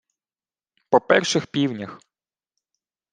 — По перших півнях.